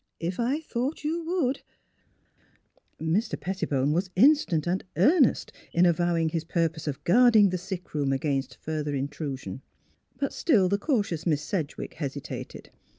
If I thought you would " Mr. Pettibone was instant and earnest in avow ing his purpose of guarding the sick room against further intrusion. But still the cautious Miss Sedgewick hesitated.